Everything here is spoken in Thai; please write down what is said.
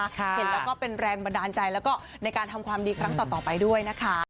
เห็นแล้วก็เป็นแรงบันดาลใจแล้วก็ในการทำความดีครั้งต่อไปด้วยนะคะ